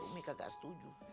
umi nggak setuju